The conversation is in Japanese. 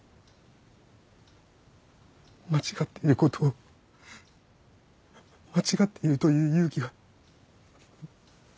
間違っていることを間違っていると言う勇気が